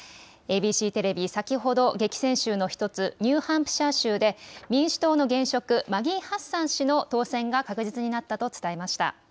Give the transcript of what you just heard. ＡＢＣテレビ、先ほど激戦州の１つ、ニューハンプシャー州で民主党の現職、マギー・ハッサン氏の当選が確実になったと伝えました。